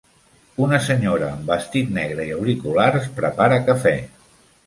Una senyora amb vestit negre i auriculars prepara cafè